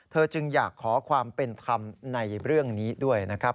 จึงอยากขอความเป็นธรรมในเรื่องนี้ด้วยนะครับ